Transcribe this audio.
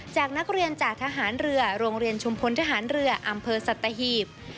จากนักเรียนจากทหารเรือโรงเรียนชุมพลทหารเรืออำเภอสัตหีบ